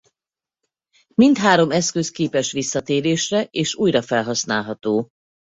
Mindhárom eszköz képes visszatérésre és újra felhasználható.